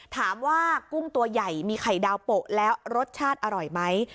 กุ้งตัวใหญ่มีไข่ดาวโปะแล้วรสชาติอร่อยไหม